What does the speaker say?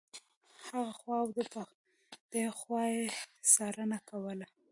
هخوا او دېخوا یې څارنه کوله.